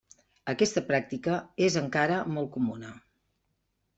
Aquesta pràctica és encara molt comuna.